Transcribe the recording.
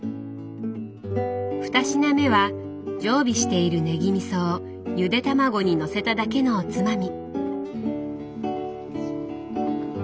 二品目は常備しているねぎみそをゆで卵にのせただけのおつまみ。